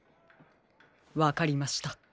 わかりました。